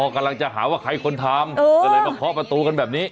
กำลังจะหาว่าใครคนทำก็เลยมาเคาะประตูกันแบบนี้